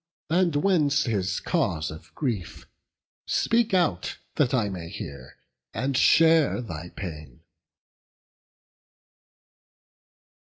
and whence his cause of grief? Speak out, that I may hear, and share thy pain."